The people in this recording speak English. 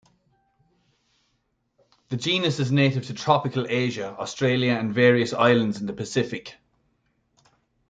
The genus is native to tropical Asia, Australia, and various islands in the Pacific.